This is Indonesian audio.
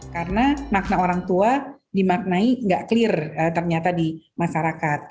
karena makna orang tua dimaknai tidak clear ternyata di masyarakat